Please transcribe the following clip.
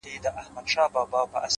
• وغورځول؛